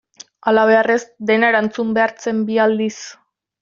Halabeharrez dena erantzun behar zen bi aldiz.